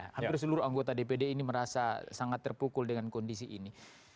hampir seluruh anggota dpd ini merasa sangat terpukul dengan kondisi ini